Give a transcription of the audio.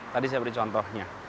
tadi saya beri contohnya